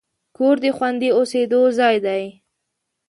کور د خوندي اوسېدو ځای دی.